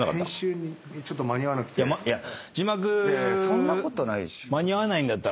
そんなことないでしょ。